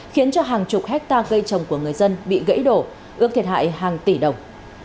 khiến cho hàng chục hectare cây trồng của người dân bị gãy đổ ước thiệt hại hàng tỷ đồng